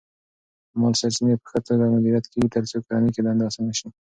مالی سرچینې په ښه توګه مدیریت کېږي ترڅو کورنۍ کې دنده اسانه شي.